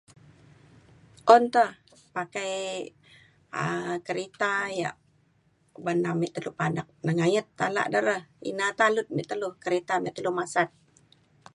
un te pakai um kerita ya' ban amik telu panak negayet tai alak da re. ina na alut mik telu kerita mik telu masat.